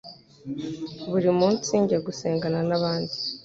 buri munsi njya gusengana nabandi